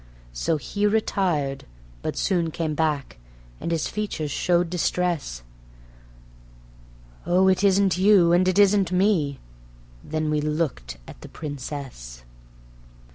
So he retired; but he soon came back, and his features showed distress: "Oh, it isn't you and it isn't me." ... Then we looked at the Princess.